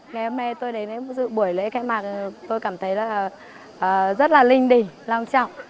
ngày hôm nay tôi đến với buổi lễ khai mạc tôi cảm thấy rất là linh đỉnh long trọng